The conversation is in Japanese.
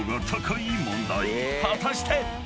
［果たして⁉］